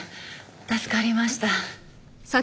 助かりました。